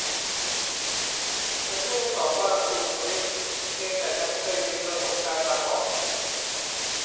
ฉันไม่ได้ต่อว่าคุณ ริค เพียงแต่ฉันเคยมีประสบการณ์มาก่อน